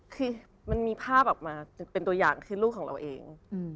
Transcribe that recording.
คือมันมีภาพออกมาเป็นตัวอย่างคือลูกของเราเอง